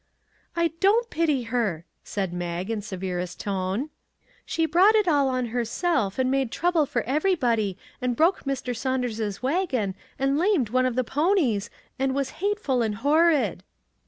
" I don't pity her," said Mag in severest tone ;" she brought it all on herself, and made trouble for everybody, and broke Mr. Saun ders's wagon, and lamed one of the ponies, and was hateful and horrid."